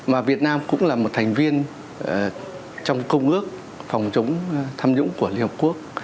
mà việt nam cũng là một thành viên trong công ước phòng chống tham nhũng của liên hợp quốc